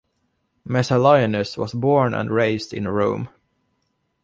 Messallinus was born and raised in Rome.